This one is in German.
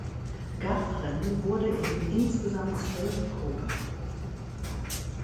Gafhren wurde in insgesamt zwölf Gruppen.